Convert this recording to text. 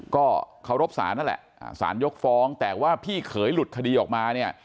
ก็เคารพศาลนั่นแหละสารยกฟ้องแต่ว่าพี่เขยหลุดคดีออกมาเนี่ย